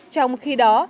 trong khi đó